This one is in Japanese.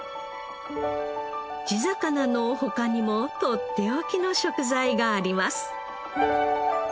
地魚の他にもとっておきの食材があります